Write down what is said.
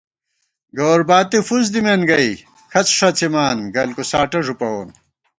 گوَر باتی فُس دِمېن گئ، کھڅ ݭَڅِمان گلکُساٹہ ݫُپَوون